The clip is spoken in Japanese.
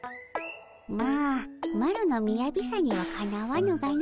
まあマロのみやびさにはかなわぬがの。